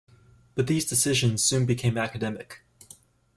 But these decisions soon became academic.